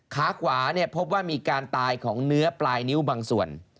ขาขวาพบว่ามีการตายของเนื้อปลายนิ้วบางส่วน